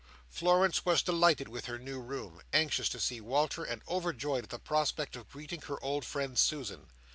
Florence was delighted with her new room, anxious to see Walter, and overjoyed at the prospect of greeting her old friend Susan.